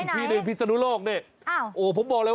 ๒๕๓คนนะ